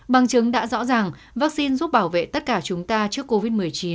bằng chứng đã rõ ràng vaccine giúp bảo vệ tất cả chúng ta trước covid một mươi chín